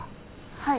はい。